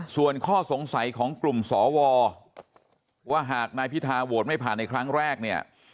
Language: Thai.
ส่วนข้อสงสัยของกลุ่มสวว่าหากนายพิธาโหวตไม่ผ่านในครั้งแรกเนี่ย